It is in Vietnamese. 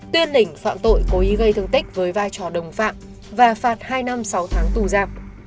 tuyên lĩnh phạm tội cố ý gây thương tích với vai trò đồng phạm và phạt hai năm sáu tháng tù giam